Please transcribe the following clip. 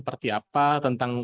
lebih ke masala